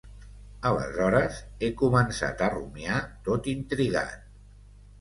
Aleshores he començat a rumiar, tot intrigat